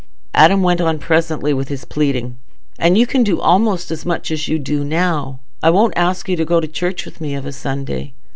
Adam went on presently with his pleading, "And you can do almost as much as you do now. I won't ask you to go to church with me of a Sunday.